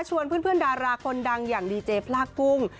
เพื่อนดาราคนดังอย่างดีเจพลากกุ้ง